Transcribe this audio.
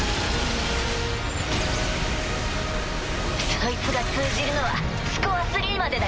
そいつが通じるのはスコア３までだよ。